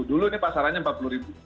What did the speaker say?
dulu ini pasarannya rp empat puluh ribu